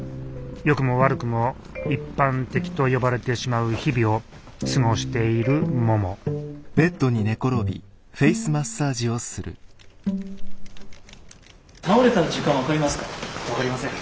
よくも悪くも一般的と呼ばれてしまう日々を過ごしているもも倒れた時間分かりますか？